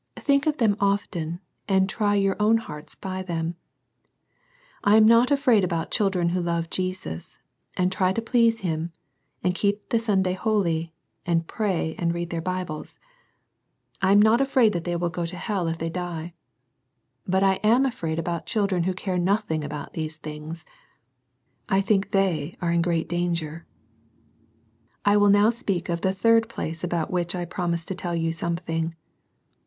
Think of them often, and try your own hearts by them. I am not afraid about children who love Jesus, and try to please Him, and keep the Sunday holy, and pray and read their Bibles. I . am not afiraid that they will gp to \\s)l ^ ^X^R^v 74 SERMONS FOR CHILDREN. die. But I am afraid about children who care nothing about these things. I think they are in great danger. III. I will now speak of the third place about which I promised to tell you something.